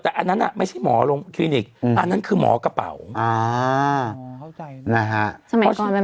แต่อันนั้นน่ะไม่ใช่หมอลงทรินิคอันนั้นคือหมอกระเป๋าอ่าเข้าใจแล้ว